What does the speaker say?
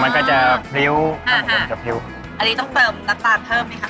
มันก็จะพริ้วครับผมกับพริ้วอันนี้ต้องเติมน้ำตาลเพิ่มไหมคะ